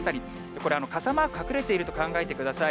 これ、傘マーク隠れていると考えてください。